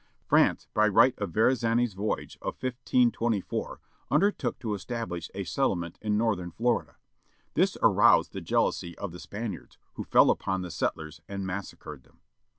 France, by right of Verazzani's voyage of 1524 undertook to establish a settlement in northern Florida. This aroused the jealousy of the Span iards, who fell upon the settlers and massacred them.